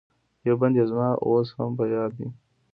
یو بند یې زما اوس هم په یاد دی.